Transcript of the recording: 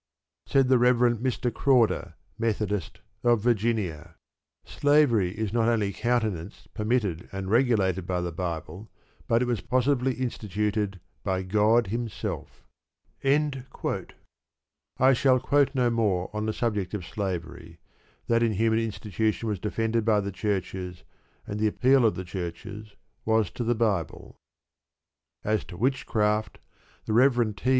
Said the Rev. Mr. Crawder, Methodist, of Virginia: "Slavery is not only countenanced, permitted, and regulated by the Bible, but it was positively instituted by God Himself." I shall quote no more on the subject of slavery. That inhuman institution was defended by the churches, and the appeal of the churches was to the Bible. As to witchcraft, the Rev. T.